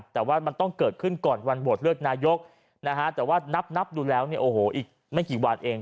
แต่ว่ามันต้องเกิดขึ้นก่อนวันโหวตเลือกนายกนะฮะแต่ว่านับดูแล้วเนี่ยโอ้โหอีกไม่กี่วันเอง